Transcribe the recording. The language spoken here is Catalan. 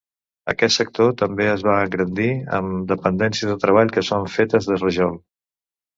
Aquest sector també es va engrandir amb dependències de treball que són fetes de rajol.